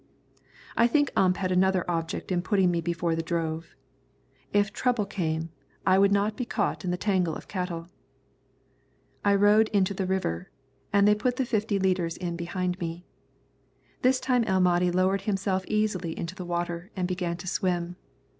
I think Ump had another object in putting me before the drove. If trouble came, I would not be caught in the tangle of cattle. I rode into the river, and they put the fifty leaders in behind me. This time El Mahdi lowered himself easily into the water and began to swim.